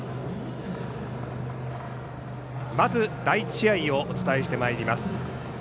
まず第１試合をお伝えしてまいります。